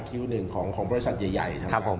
คิวหนึ่งของบริษัทใหญ่นะครับผม